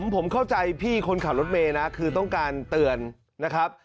ผมเข้าใจพี่คนขับรถเมย์นะคือต้องการเตือนนะครับ